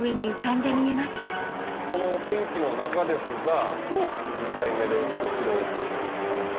この天気の中ですが実際目でお城を見てもらおうと。